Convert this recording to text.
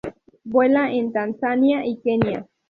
Vuela en Tanzania y Kenia.